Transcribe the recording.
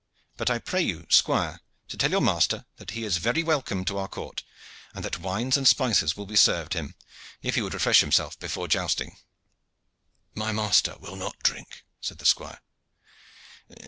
But I pray you, squire, to tell your master that he is very welcome to our court, and that wines and spices will be served him, if he would refresh himself before jousting." "My master will not drink," said the squire.